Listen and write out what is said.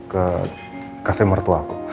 ke cafe mertua aku